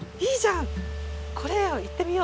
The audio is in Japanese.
これ行ってみようって。